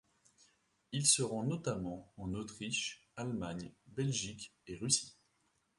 Il se rend notamment en Autriche, Allemagne, Belgique et Russie.